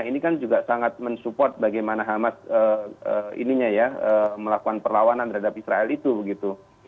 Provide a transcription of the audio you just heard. dan support bagaimana hamas ininya ya melakukan perlawanan terhadap israel itu begitu